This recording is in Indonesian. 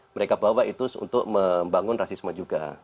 mereka bawa itu untuk membangun rasisme juga